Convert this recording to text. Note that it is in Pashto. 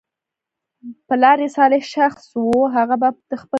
پلار ئي صالح شخص وو، هغه به د خپل باغ